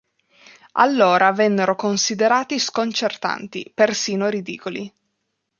Allora vennero considerati sconcertanti, persino ridicoli.